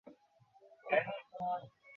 ইকা-চু কে কল করা হচ্ছে।